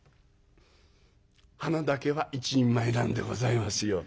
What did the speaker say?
鼻だけは一人前なんでございますよ。